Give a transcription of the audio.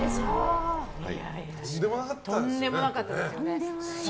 とんでもなかったですよね。